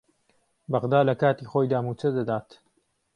بهغدا لهکاتی خۆیدا مووچه دهدات